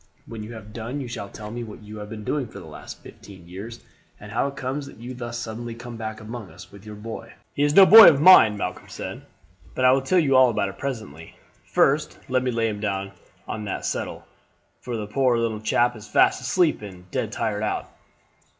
When you have done you shall tell me what you have been doing for the last fifteen years, and how it comes that you thus suddenly come back among us with your boy." "He is no boy of mine," Malcolm said; "but I will tell you all about it presently. First let me lay him down on that settle, for the poor little chap is fast asleep and dead tired out.